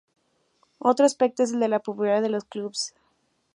Otro aspecto es el de la popularidad de los clubes.